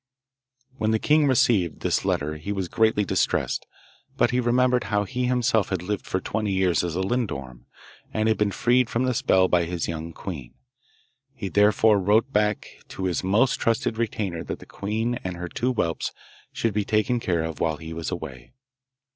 When the king received. this letter he was greatly distressed, but he remembered how he himself had lived for twenty years as a lindorm, and had been freed from the spell by his young queen. He therefore wrote back to his most trusted retainer that the queen and her two whelps should be taken care of while he was away.